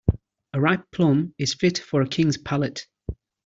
A ripe plum is fit for a king's palate.